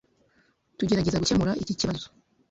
Tugerageza gukemura iki kibazo .